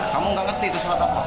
kamu nggak ngerti itu surat apa